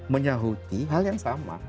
menyahuti hal yang sama